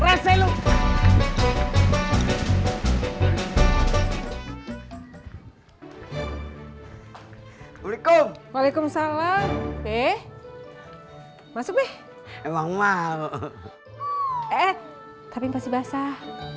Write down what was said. waalaikum waalaikum salam eh masuk deh emang mau eh tapi masih basah